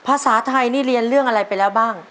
ภาษาไทยนี่เรียนเรื่องอะไรไปแล้วบ้าง